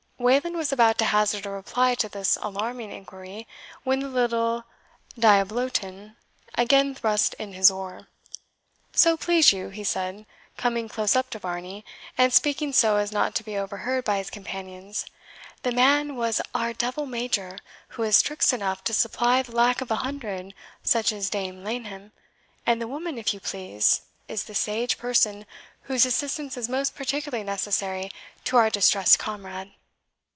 Wayland was about to hazard a reply to this alarming inquiry, when the little diablotin again thrust in his oar. "So please you," he said, coming close up to Varney, and speaking so as not to be overheard by his companions, "the man was our devil major, who has tricks enough to supply the lack of a hundred such as Dame Laneham; and the woman, if you please, is the sage person whose assistance is most particularly necessary to our distressed comrade."